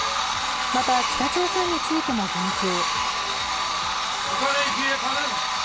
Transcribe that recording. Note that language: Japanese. また、北朝鮮についても言及。